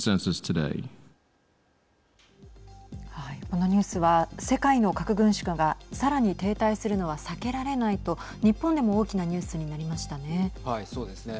このニュースは世界の核軍縮がさらに停滞するのは避けられないと日本でも大きなニュースになりましたね。